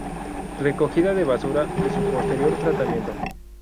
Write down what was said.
Recogida de basuras y su posterior tratamiento.